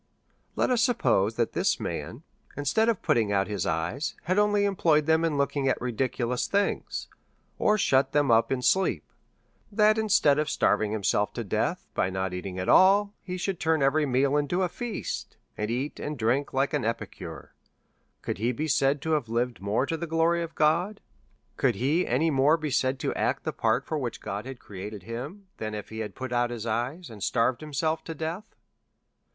II 3 lOS A SERIOUS CALL TO A Let us suppose that this man, instead of putting out his eyes, had only employed them in looking at ridi culous things, or shut them up in a sleep ; that instead of starving himself to death by not eating at all, he should turn every meal into a feast, and eat and drink like an epicure ; could he be said to have lived more to the glory of God? Could he any more be said to act the part for which God had created him, than if he had put out his eyes, or starved himself to death?